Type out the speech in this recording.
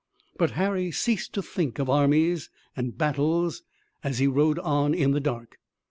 But Harry ceased to think of armies and battles as he rode on in the dark.